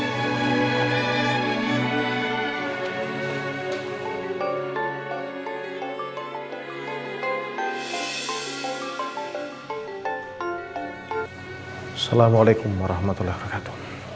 assalamualaikum warahmatullah wabarakatuh